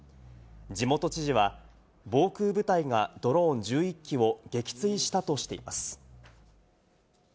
地元知事は防空部隊がドローン１１機を撃墜したとしています。